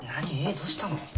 どうしたの？